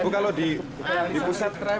bukan lo di pusat krem